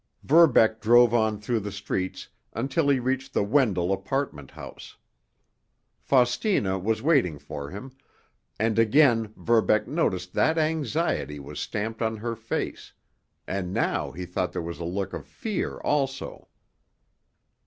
Verbeck drove on through the streets until he reached the Wendell apartment house. Faustina was waiting for him, and again Verbeck noticed that anxiety was stamped on her face, and now he thought there was a look of fear also.